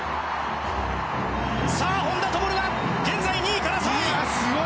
さあ、本多灯は現在、２位から３位！